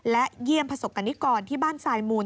และเหยียนพระสกรรมนิกรที่บ้านไซมูล